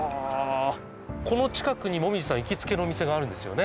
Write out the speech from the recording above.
この近くに紅葉さん行きつけのお店があるんですよね？